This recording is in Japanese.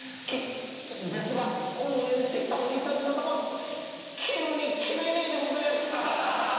ですが応援してきたリサリサたま切るに切れねえでございやす。